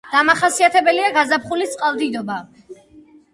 დამახასიათებელია გაზაფხულის წყალდიდობა.